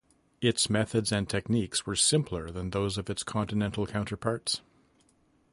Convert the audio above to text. Its methods and techniques were simpler than those of its continental counterparts.